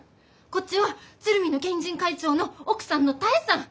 こっちは鶴見の県人会長の奥さんの多江さん！